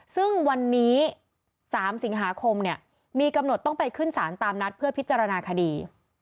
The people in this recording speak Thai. ซึ่งวันนี้๓สิงหาคมเนี่ยมีกำหนดต้องไปขึ้นศาลตามนัดเพื่อพิจารณาคดี